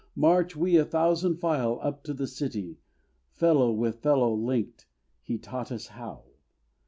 March we a thousand file up to the City, Fellow with fellow linked, he taught us how!